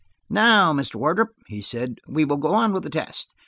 "Now, Mr. Wardrop," he said, "we will go on with the test.